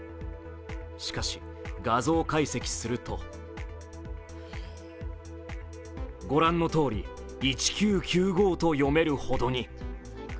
しかし、画像解析すると御覧のとおり、１９９５と読めるほどに。